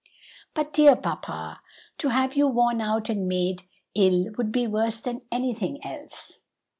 "But, dear papa, to have you worn out and made ill would be worse than anything else."